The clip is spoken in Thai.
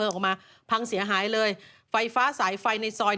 ซึ่งตอน๕โมง๔๕นะฮะทางหน่วยซิวได้มีการยุติการค้นหาที่